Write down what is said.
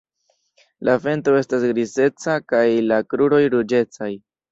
La ventro estas grizeca kaj la kruroj ruĝecaj.